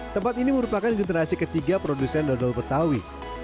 tempat ini merupakan generasi ketiga produsen dodol betawi